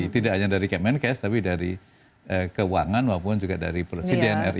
tidak hanya dari kemenkes tapi dari keuangan maupun juga dari presiden ri